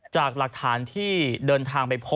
จากหลักฐานที่เดินทางไปพบ